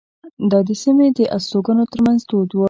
دا د سیمې د استوګنو ترمنځ دود وو.